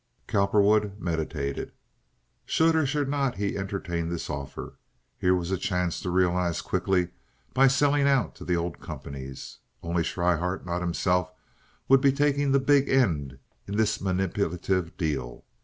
Cowperwood meditated. Should or should he not entertain this offer? Here was a chance to realize quickly by selling out to the old companies. Only Schryhart, not himself, would be taking the big end in this manipulative deal.